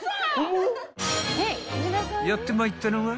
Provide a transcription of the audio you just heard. ［やってまいったのは］